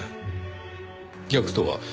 逆とは？